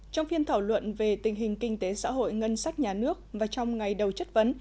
trong phiên thảo luận về tình hình kinh tế xã hội ngân sách nhà nước và trong ngày đầu chất vấn